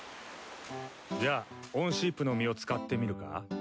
じゃあオンシープの実を使ってみるか？